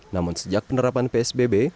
namun sejak penerapan psbb